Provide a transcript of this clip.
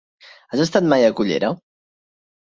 Has estat mai a Cullera?